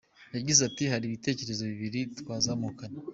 Yagize ati “Hari ibitekerezo bibiri twazamukanye.